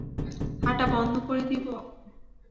হাঁটা বন্ধ করে দিব?